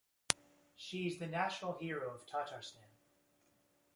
She is the national hero of Tatarstan.